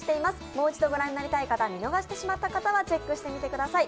もう一度ご覧になりたい方、見逃してしまった方はチェックしてみてください。